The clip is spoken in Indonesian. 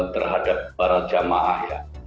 terhadap para jemaah ya